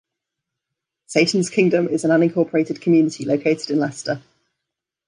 Satans Kingdom is an unincorporated community located in Leicester.